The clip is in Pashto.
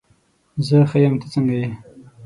زه ښه یم، ته څنګه یې؟